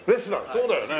そうだよね。